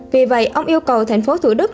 vì vậy ông yêu cầu thành phố thủ đức